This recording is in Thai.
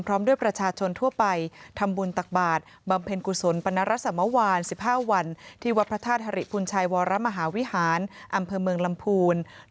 พร้อมด้วยประชาชนทั่วไปทำบุญตักบาทบำเพ็ญกุศลปรณรสมวาน๑๕วันที่วัดพระธาตุฮริพุนชัยวรมหาวิหารอำเภอเมืองลำพูน